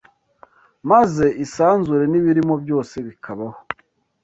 maze isanzure n’ibiririmo byose bikabaho,